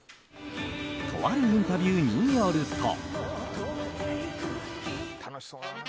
とあるインタビューによると。